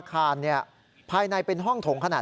ก็มีโต๊ะมีอุปกรณ์การเล่นพนันมีคอมพิวเตอร์